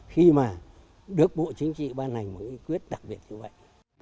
khi mà được bộ chính trị ban hành một cái quyết đặc biệt như vậy